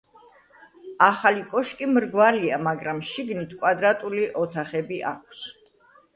ახალი კოშკი მრგვალია, მაგრამ შიგნით კვადრატული ოთახები ქვს.